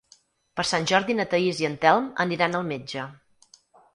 Per Sant Jordi na Thaís i en Telm aniran al metge.